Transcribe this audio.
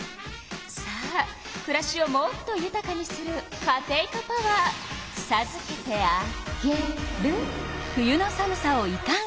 さあくらしをもっとゆたかにするカテイカパワーさずけてあげる。